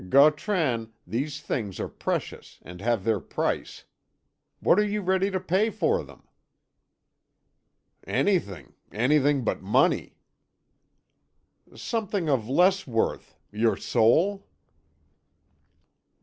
"Gautran, these things are precious, and have their price. What are you ready to pay for them?" "Anything anything but money!" "Something of less worth your soul?"